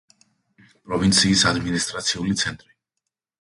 პროვინციის ადმინისტრაციული ცენტრი.